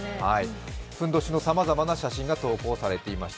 ふんどしのさまざまな写真が投稿されていました。